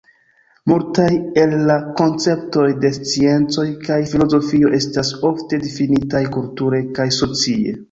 Multaj el la konceptoj de scienco kaj filozofio estas ofte difinitaj kulture kaj socie.